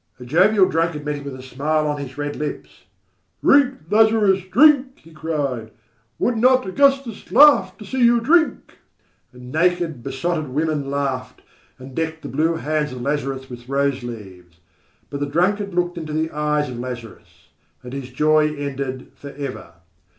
A jovial drunkard met him with a smile on his red lips. "Drink, Lazarus, drink!" he cried, "Would not Augustus laugh to see you drink!" And naked, besotted women laughed, and decked the blue hands of Lazarus with rose leaves. But the drunkard looked into the eyes of Lazarus and his joy ended forever.